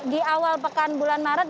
di awal pekan bulan maret